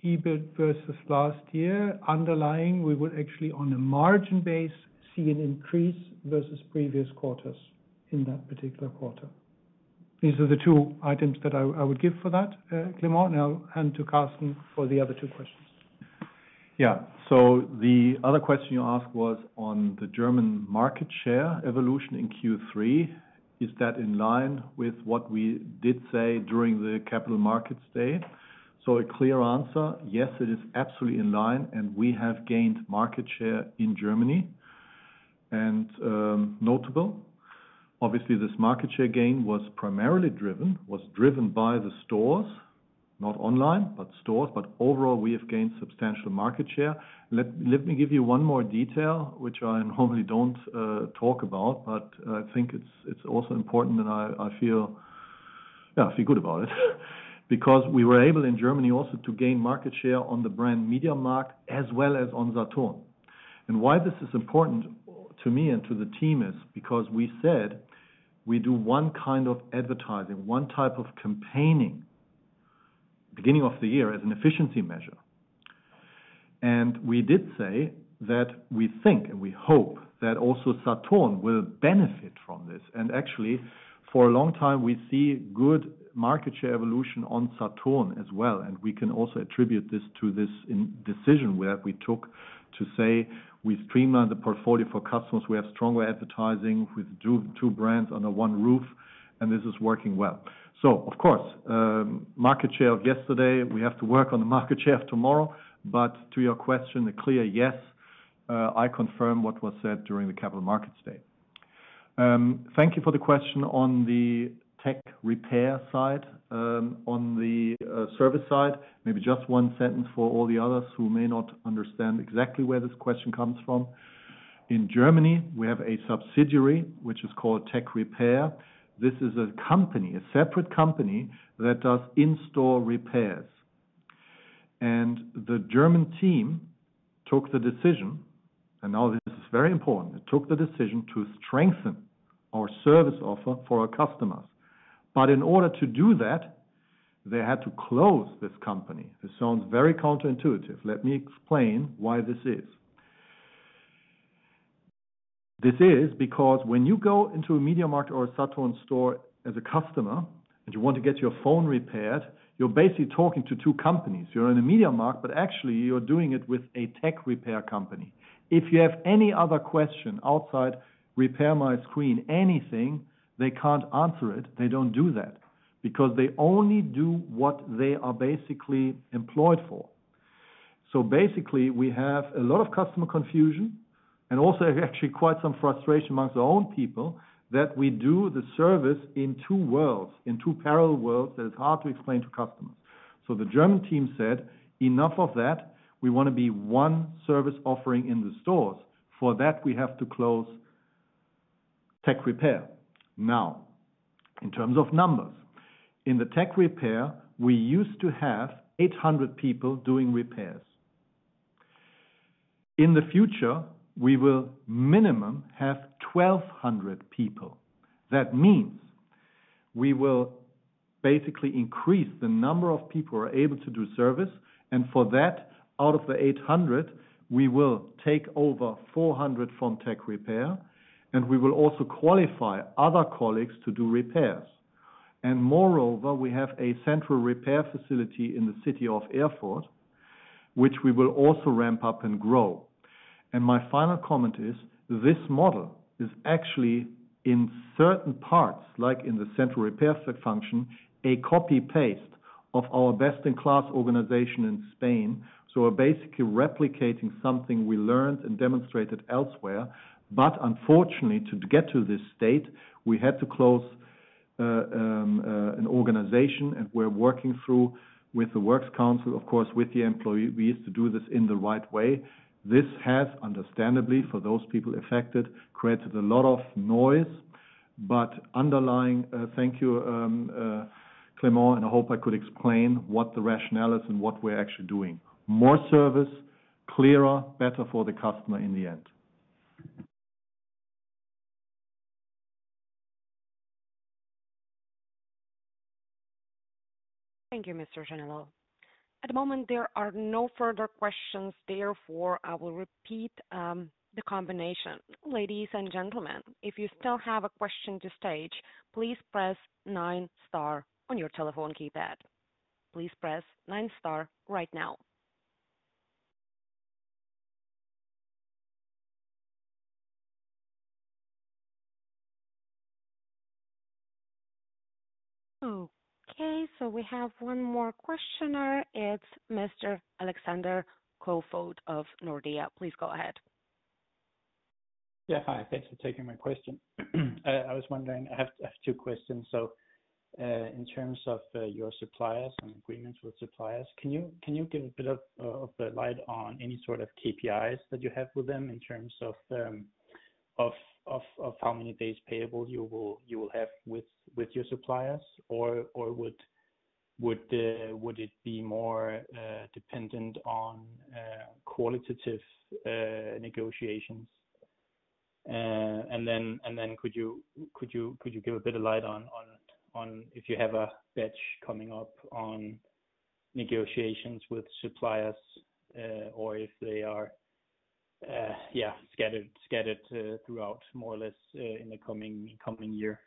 EBIT versus last year, underlying, we would actually, on a margin base, see an increase versus previous quarters in that particular quarter. These are the two items that I would give for that, Clément. I'll hand to Karsten for the other two questions. Yeah. The other question you asked was on the German market share evolution in Q3. Is that in line with what we did say during the Capital Markets Day? A clear answer, yes, it is absolutely in line, and we have gained market share in Germany. Notable, obviously, this market share gain was primarily driven by the stores, not online, but stores. Overall, we have gained substantial market share. Let me give you one more detail, which I normally don't talk about, but I think it's also important and I, I feel, yeah, I feel good about it. Because we were able, in Germany also, to gain market share on the brand MediaMarkt, as well as on Saturn. Why this is important to me and to the team is because we said we do one kind of advertising, one type of campaigning, beginning of the year, as an efficiency measure. We did say that we think, and we hope, that also Saturn will benefit from this. Actually, for a long time, we see good market share evolution on Saturn as well, and we can also attribute this to this decision where we took to say we streamline the portfolio for customers. We have stronger advertising with two brands under one roof, and this is working well. Of course, market share of yesterday, we have to work on the market share of tomorrow. To your question, a clear yes, I confirm what was said during the Capital Markets Day. Thank you for the question on the Tec-Repair side, on the service side. Maybe just one sentence for all the others who may not understand exactly where this question comes from. In Germany, we have a subsidiary, which is called Tec-Repair. This is a company, a separate company, that does in-store repairs. The German team took the decision, and now this is very important, they took the decision to strengthen our service offer for our customers. In order to do that, they had to close this company. This sounds very counterintuitive. Let me explain why this is. This is because when you go into a MediaMarkt or a Saturn store as a customer and you want to get your phone repaired, you're basically talking to two companies. You're in a MediaMarkt, but actually you're doing it with a Tec-Repair company. If you have any other question outside, "Repair my screen," anything, they can't answer it, they don't do that, because they only do what they are basically employed for. Basically, we have a lot of customer confusion, and also actually quite some frustration amongst our own people, that we do the service in two worlds, in two parallel worlds, that is hard to explain to customers. The German team said, "Enough of that, we wanna be one service offering in the stores. For that, we have to close- Tec-Repair. Now, in terms of numbers, in the Tec-Repair, we used to have 800 people doing repairs. In the future, we will minimum have 1,200 people. That means we will basically increase the number of people who are able to do service, and for that, out of the 800, we will take over 400 from Tec-Repair, and we will also qualify other colleagues to do repairs. Moreover, we have a central repair facility in Erfurt, which we will also ramp up and grow. My final comment is, this model is actually in certain parts, like in the central repair set function, a copy-paste of our best-in-class organization in Spain. We're basically replicating something we learned and demonstrated elsewhere. Unfortunately, to get to this state, we had to close an organization, and we're working through with the works council, of course, with the employee. We used to do this in the right way. This has, understandably, for those people affected, created a lot of noise. Underlying, thank you, Clément, and I hope I could explain what the rationale is and what we're actually doing. More service, clearer, better for the customer in the end. Thank you, Mr. Genelot. At the moment, there are no further questions, therefore, I will repeat the combination. Ladies and gentlemen, if you still have a question to stage, please press nine star on your telephone keypad. Please press nine star right now. We have one more questioner. It's Mr. Alexander Koefoed of Nordea. Please go ahead. Yeah. Hi, thanks for taking my question. I was wondering, I have two questions. In terms of your suppliers and agreements with suppliers, can you give a bit of, of the light on any sort of KPIs that you have with them in terms of how many days payable you will have with, with your suppliers? Would it be more dependent on qualitative negotiations? Could you, could you, could you give a bit of light on if you have a batch coming up on negotiations with suppliers, or if they are, yeah, scattered, scattered throughout, more or less, in the coming, coming year?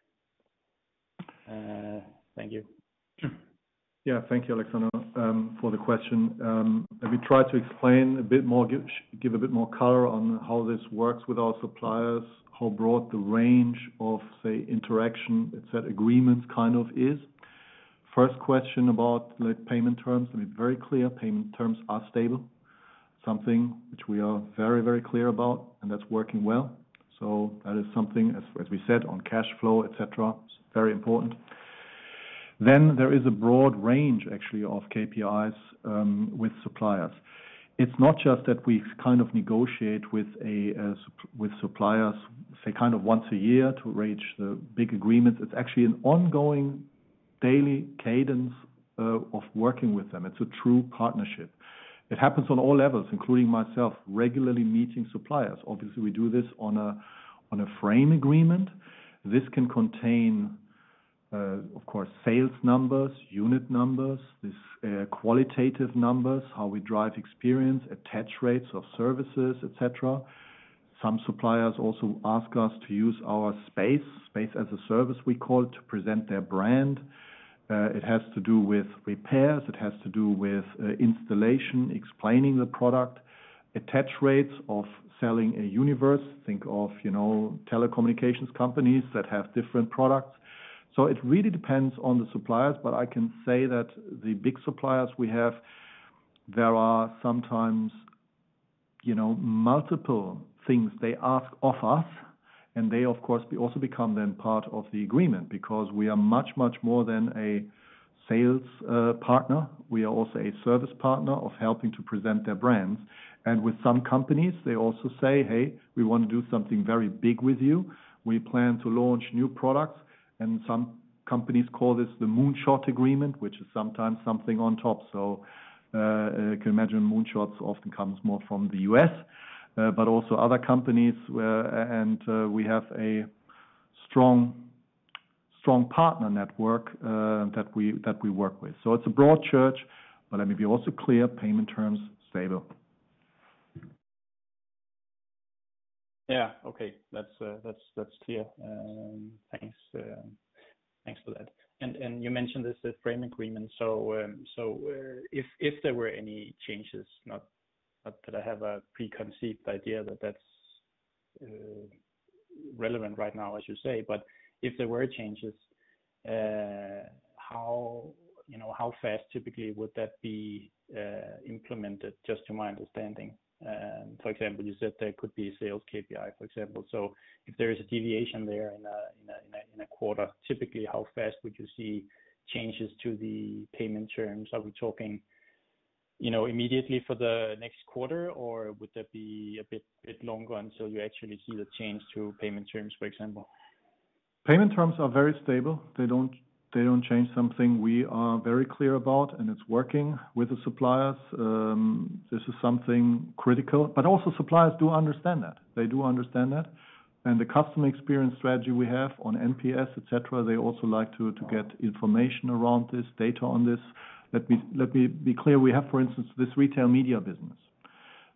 Thank you. Yeah. Thank you, Alexander, for the question. Let me try to explain a bit more, give a bit more color on how this works with our suppliers, how broad the range of, say, interaction, et cetera, agreements kind of is. First question about the payment terms. Let me be very clear, payment terms are stable, something which we are very, very clear about, and that's working well. That is something, as, as we said, on cash flow, et cetera, it's very important. There is a broad range, actually, of KPIs with suppliers. It's not just that we kind of negotiate with a, with suppliers, say, kind of once a year to reach the big agreements. It's actually an ongoing daily cadence of working with them. It's a true partnership. It happens on all levels, including myself, regularly meeting suppliers. Obviously, we do this on a frame agreement. This can contain, of course, sales numbers, unit numbers, this, qualitative numbers, how we drive experience, attach rates of services, et cetera. Some suppliers also ask us to use our space, Space-as-a-Service we call, to present their brand. It has to do with repairs, it has to do with installation, explaining the product, attach rates of selling a universe. Think of, you know, telecommunications companies that have different products. So it really depends on the suppliers, but I can say that the big suppliers we have, there are sometimes, you know, multiple things they ask of us, and they, of course, also become then part of the agreement, because we are much, much more than a sales partner. We are also a service partner of helping to present their brands. With some companies, they also say, "Hey, we want to do something very big with you. We plan to launch new products." Some companies call this the moonshot agreement, which is sometimes something on top. You can imagine moonshots often comes more from the U.S., but also other companies, and we have a strong partner network that we, that we work with. It's a broad church, but let me be also clear, payment terms, stable. Yeah, okay. That's clear. Thanks, thanks for that. You mentioned this, the frame agreement. If there were any changes, not that I have a preconceived idea that that's relevant right now, I should say, but if there were changes, how, you know, how fast typically would that be implemented? Just to my understanding. For example, you said there could be a sales KPI, for example. If there is a deviation there in a quarter, typically, how fast would you see changes to the payment terms? Are we talking, you know, immediately for the next quarter, or would that be a bit, bit longer until you actually see the change to payment terms, for example? Payment terms are very stable. They don't, they don't change something we are very clear about, and it's working with the suppliers. This is something critical, but also suppliers do understand that. They do understand that. The customer experience strategy we have on NPS, et cetera, they also like to, to get information around this, data on this. Let me, let me be clear. We have, for instance, this retail media business.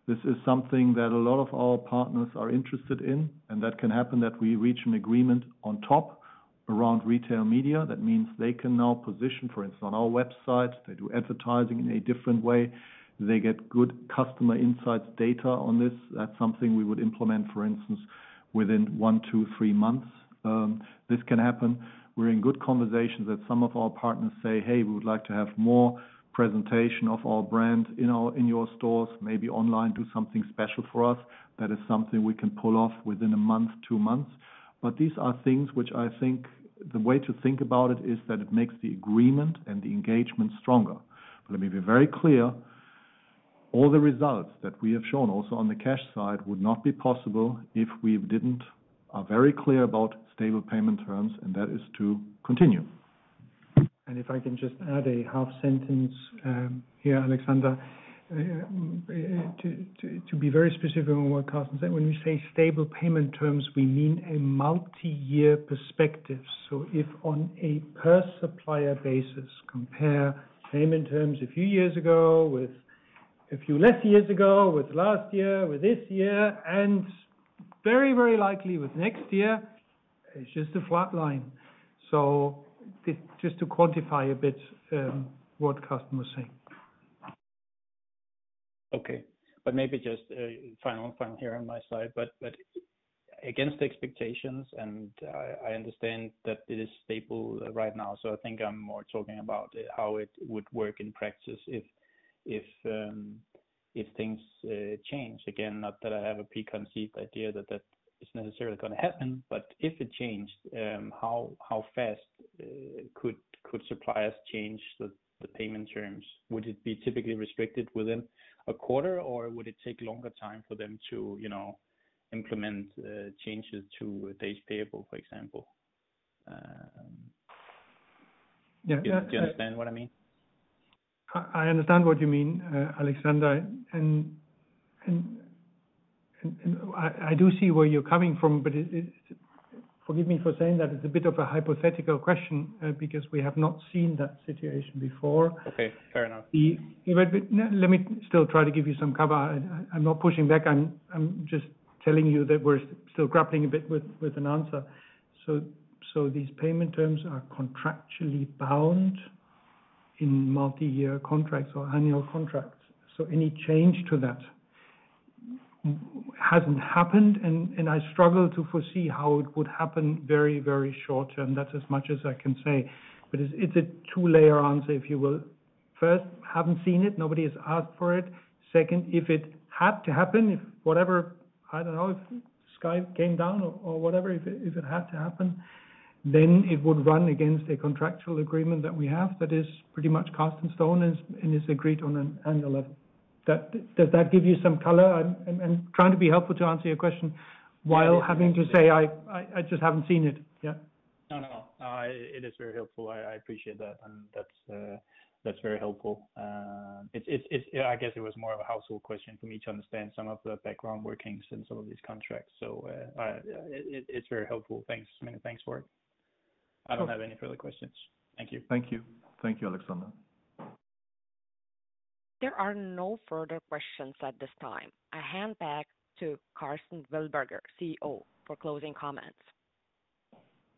This is something that a lot of our partners are interested in, and that can happen, that we reach an agreement on top around retail media. That means they can now position, for instance, on our website, they do advertising in a different way, they get good customer insights, data on this. That's something we would implement, for instance, within one to three months. This can happen. We're in good conversations that some of our partners say, "Hey, we would like to have more presentation of our brand in your stores, maybe online, do something special for us." That is something we can pull off within a month, two months. These are things which I think the way to think about it, is that it makes the agreement and the engagement stronger. Let me be very clear. All the results that we have shown also on the cash side, would not be possible if we didn't-- Are very clear about stable payment terms, and that is to continue. If I can just add a half sentence, here, Alexander. To be very specific on what Karsten said, when we say stable payment terms, we mean a multi-year perspective. If on a per supplier basis, compare payment terms a few years ago with a few less years ago, with last year, with this year, and very, very likely with next year, it's just a flat line. Just, just to quantify a bit, what customers say. Okay. Maybe just a final here on my side. Against the expectations, and I understand that it is stable right now, so I think I'm more talking about how it would work in practice if things change. Again, not that I have a preconceived idea that is necessarily gonna happen, but if it changed, how, how fast could, could suppliers change the, the payment terms? Would it be typically restricted within a quarter, or would it take longer time for them to, you know, implement changes to days payable, for example? Yeah. Do you understand what I mean? I understand what you mean, Alexander, and I do see where you're coming from, but it. Forgive me for saying that it's a bit of a hypothetical question, because we have not seen that situation before. Okay, fair enough. But let me still try to give you some cover. I, I'm not pushing back. I'm, I'm just telling you that we're still grappling a bit with, with an answer. These payment terms are contractually bound in multi-year contracts or annual contracts, so any change to that hasn't happened, and, and I struggle to foresee how it would happen very, very short term. That's as much as I can say, but it's a two-layer answer, if you will. First, haven't seen it, nobody has asked for it. Second, if it had to happen, if whatever, I don't know, if sky came down or, or whatever. If it, if it had to happen, then it would run against a contractual agreement that we have that is pretty much cast in stone and, and is agreed on an annual level. Does that give you some color? I'm trying to be helpful to answer your question, while having to say, I just haven't seen it yet. No, no, it is very helpful. I appreciate that. That's very helpful. It's, it's, I guess it was more of a household question for me to understand some of the background workings in some of these contracts. It's very helpful. Thanks. Many thanks for it. I don't have any further questions. Thank you. Thank you. Thank you, Alexander. There are no further questions at this time. I hand back to Karsten Wildberger, CEO, for closing comments.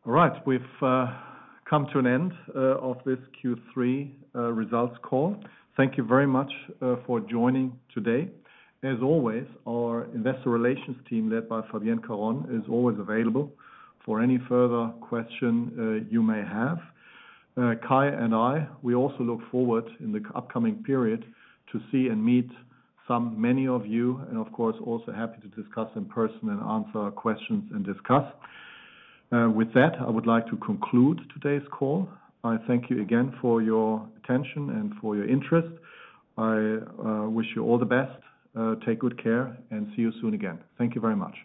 All right. We've come to an end of this Q3 results call. Thank you very much for joining today. As always, our investor relations team, led by Fabienne Caron, is always available for any further question you may have. Kai and I, we also look forward in the upcoming period to see and meet some many of you, and of course, also happy to discuss in person and answer questions and discuss. With that, I would like to conclude today's call. I thank you again for your attention and for your interest. I wish you all the best. Take good care and see you soon again. Thank you very much.